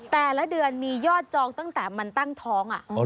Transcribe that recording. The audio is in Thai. แต่ละเดือนมียอดจองตั้งแต่มันตั้งท้อง